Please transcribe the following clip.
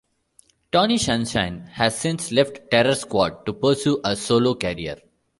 Tony Sunshine has since left Terror Squad to pursue a solo career.